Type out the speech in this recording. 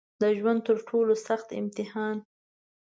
د ژوند تر ټولو سخت امتحان